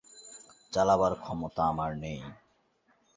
চালাবার ক্ষমতা আমার নেই।